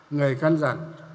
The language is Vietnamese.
người khán giảm